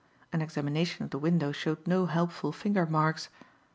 An examination of the window showed no helpful finger marks.